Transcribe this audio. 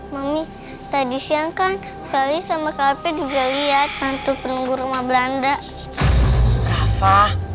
mami tadi siang kan kali sama kape juga lihat hantu penunggu rumah belanda rafa